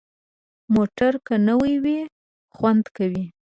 موټر که نوي وي، خوند کوي.